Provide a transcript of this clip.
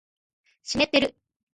湿ってる